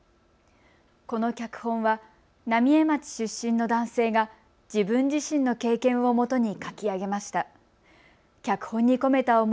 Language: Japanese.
この脚本は浪江町出身の男性が自分自身が経験をもとに書き上げました。